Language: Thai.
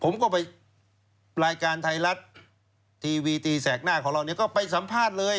ผมก็ไปรายการไทยรัฐทีวีตีแสกหน้าของเราเนี่ยก็ไปสัมภาษณ์เลย